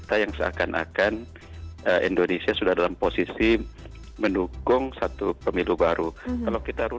tidak ada percaya